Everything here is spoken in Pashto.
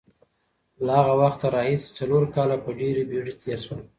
له هغه وخته راهیسې څلور کاله په ډېرې بېړې تېر شول.